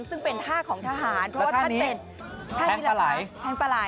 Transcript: ซึ่งเป็นท่าของทหารเพราะว่าท่านเป็นแท้งปลาย